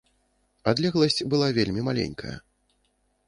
Адлегласць была вельмі маленькая.